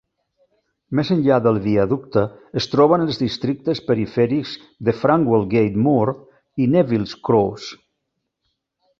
Més enllà del viaducte, es troben els districtes perifèrics de Framwellgate Moor i Neville's Cross.